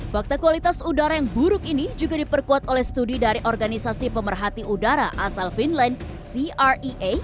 fakta kualitas udara yang buruk ini juga diperkuat oleh studi dari organisasi pemerhati udara asal finland crea